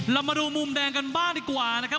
เรามาดูมุมแดงกันบ้างดีกว่านะครับ